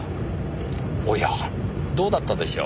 おやどうだったでしょう。